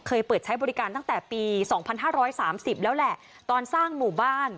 เคยเปิดใช้บริการตั้งแต่ปี๒๕๓๐แล้วแหละตอนสร้างหมู่บ้าน